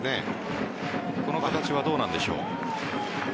この形はどうなんでしょう？